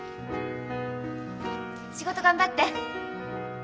仕事頑張って！